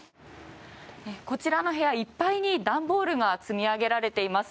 こちらの部屋いっぱいに段ボールが積み上げられています。